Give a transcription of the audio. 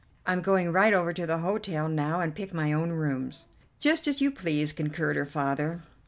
I'm going right over to the hotel now and pick my own rooms." "Just as you please," concurred her father.